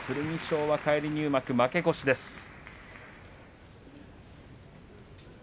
剣翔は返り入幕負け越しです。